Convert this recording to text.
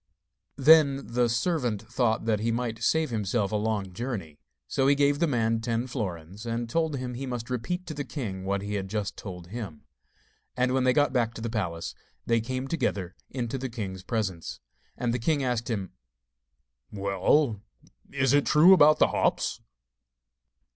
Then the servant thought that he might save himself a long journey; so he gave the man ten florins, and told him he must repeat to the king what he had just told him. And when they got back to the palace, they came together into the king's presence. And the king asked him: 'Well, is it true about the hops?